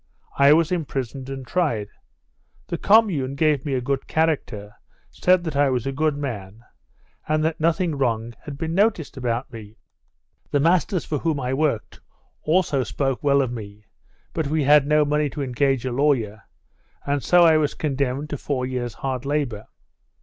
I was imprisoned and tried. The commune gave me a good character, said that I was a good man, and that nothing wrong had been noticed about me. The masters for whom I worked also spoke well of me, but we had no money to engage a lawyer, and so I was condemned to four years' hard labour."